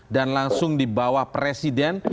dan langsung dibawa presiden